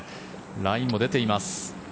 ラインも出ています。